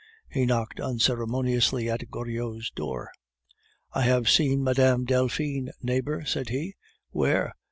He knocked unceremoniously at Goriot's door. "I have seen Mme. Delphine, neighbor," said he. "Where?"